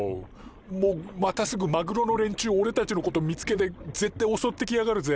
もうまたすぐマグロの連中おれたちのこと見つけて絶対おそってきやがるぜ。